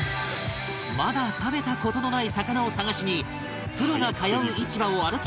まだ食べた事のない魚を探しにプロが通う市場を歩き回る